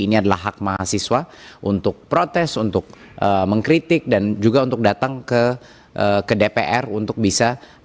ini adalah hak mahasiswa untuk protes untuk mengkritik dan juga untuk datang ke dpr untuk bisa